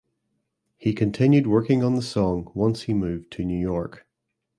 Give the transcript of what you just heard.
He continued working on the song once he moved to New York.